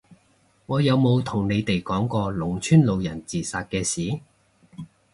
我有冇同你哋講過農村老人自殺嘅事？